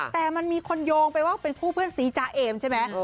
แต่มันมีคนโยงไปว่าเป็นคู่เพื่อนซีจ๊ะเอมใช่ไหม